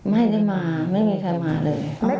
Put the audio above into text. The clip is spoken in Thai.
ไม่ได้มาไม่มีใครมาเลย